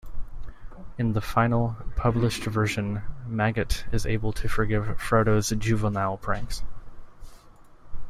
In the final, published version, Maggot is able to forgive Frodo's juvenile pranks.